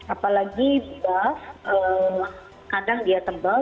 apalagi buff kadang dia tebal